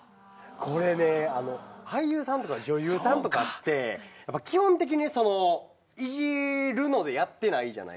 これね俳優さんとか女優さんとかって基本的にいじるのでやってないじゃないですか。